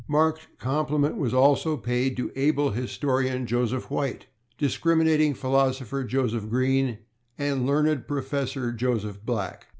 Marked compliment was also paid to able historian Joseph White, discriminating philosopher Joseph Green, and learned professor Joseph Black.